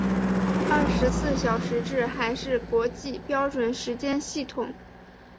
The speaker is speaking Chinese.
二十四小时制还是国际标准时间系统。